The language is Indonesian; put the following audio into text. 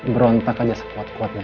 berontak saja sekuat kuatnya